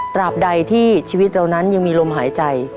บใดที่ชีวิตเรานั้นยังมีลมหายใจ